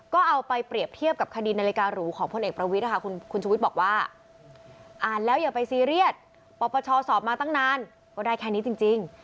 ก็เอาไปเปรียบเทียบกับคดีนาฬิการูของพลเอกประวิทย์คุณชุวิตบอกว่าอ่านแล้วอย่าไปซีเรียสปชสอบมาตั้งนานก็ได้แค่นี้จริง